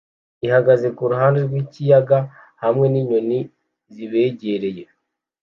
ihagaze kuruhande rwikiyaga hamwe ninyoni zibegereye.